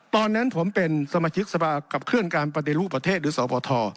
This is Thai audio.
ตอนนั้นผมเป็นสมาชิกสภาขับเคลื่อนการปฏิรูปประเทศหรือสปท